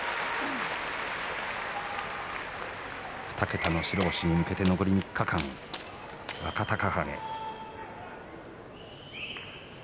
２桁の白星に向けて残り３日間若隆景。